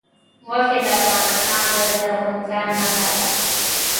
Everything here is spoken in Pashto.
غوښې د افغانستان د زرغونتیا نښه ده.